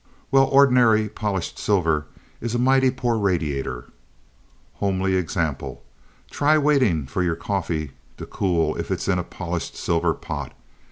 "Well, ordinary polished silver is a mighty poor radiator. Homely example: Try waiting for your coffee to cool if it's in a polished silver pot.